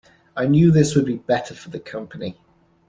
I knew this would be better for the company.